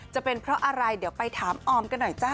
จะเป็นเพราะอะไรเดี๋ยวไปถามออมกันหน่อยจ้า